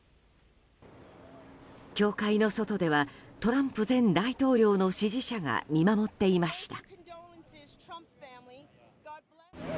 教会の外ではトランプ前大統領の支持者が見守っていました。